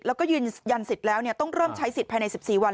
แล้วก็ยืนยันสิทธิ์แล้วต้องเริ่มใช้สิทธิภายใน๑๔วัน